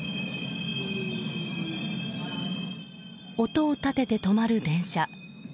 音を立てて止まる電車。